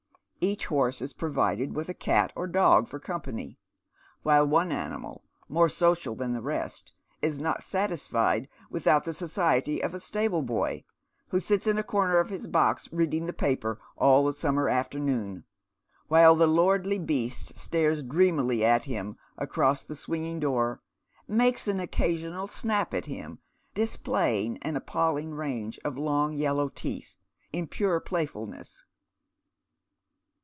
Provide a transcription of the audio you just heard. Each horse is provided with a cat or dog for company, while one animal, more social than the rest, is not satisfied without the society of a stable boy, who sits in a corner of his box reading the paper all the summer afternoon, while the lordly beast stares dreamily at him across the swinging door, and makes an occasional snap at him, displaying an apfJling range of long yellow teeth, in pure play fulness.